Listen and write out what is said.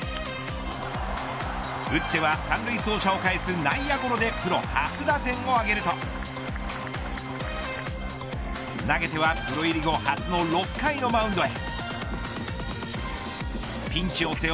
打っては三塁走者を返す内野ゴロでプロ初打点を挙げると投げてはプロ入り後初の６回のマウンドへ。